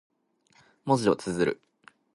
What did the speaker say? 文字を綴る。